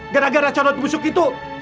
gara gara carot busuk itu